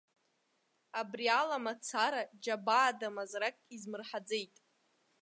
Абри ала мацара, џьабаада мазарак измырҳаӡеит.